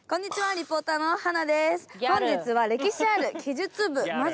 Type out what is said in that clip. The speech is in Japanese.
リポーターの華です。